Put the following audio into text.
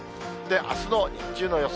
あすの日中の予想